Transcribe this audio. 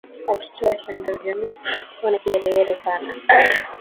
Watoto wa shangazi wangu wana kiherehere sana.